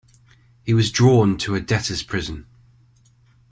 He was drawn to a debtors' prison.